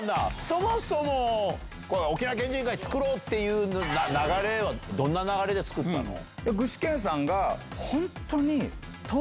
そもそも沖縄県人会つくろうっていう流れはどんな流れでつくったの？